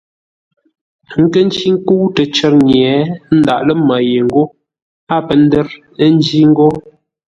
Kə̂ ncí nkə́u təcər nye, ə́ ndáʼ lə́ mə́ yé ńgó a pə́ ndə́rńjí ńgó.